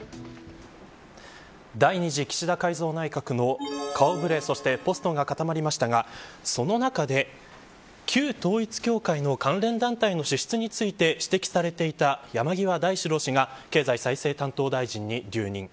第２次岸田改造内閣の顔ぶれ、そしてポストが固まりましたがその中で旧統一教会の関連団体の支出について指摘されていた山際大志郎氏が経済再生担当大臣に留任。